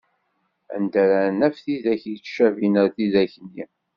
Anda ara naf tidak yettcabin ar tidak-nni?